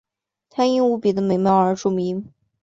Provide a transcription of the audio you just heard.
她因为无比的美貌而著名。